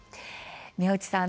宮内さん